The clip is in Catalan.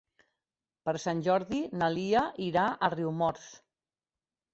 Per Sant Jordi na Lia irà a Riumors.